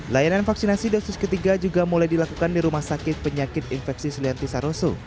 layanan vaksinasi dosis ketiga juga mulai dilakukan di rumah sakit penyakit infeksi sulianti saroso